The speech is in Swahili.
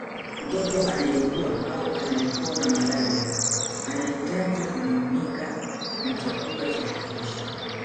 Mtoto anayeugua au anayepona malaria anahitaji vimiminika na chakula cha kutosha